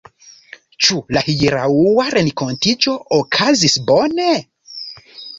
Ĉu la hieraŭa renkontiĝo okazis bone?